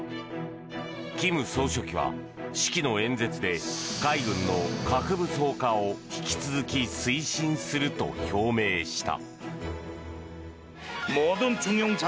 金総書記は式の演説で海軍の核武装化を引き続き推進すると表明した。